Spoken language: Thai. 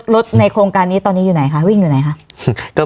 ในโครงการนี้ตอนนี้อยู่ไหนคะวิ่งอยู่ไหนคะ